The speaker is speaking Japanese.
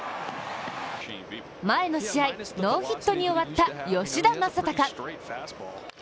前の試合、ノーヒットに終わった吉田正尚。